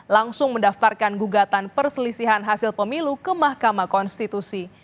langsung mendaftarkan gugatan perselisihan hasil pemilu ke mahkamah konstitusi